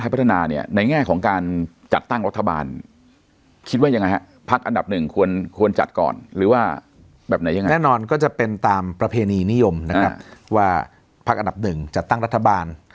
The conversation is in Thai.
พักอันดับหนึ่งจัดตั้งรัฐบาล